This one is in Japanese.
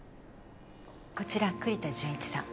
こちら栗田純一さん。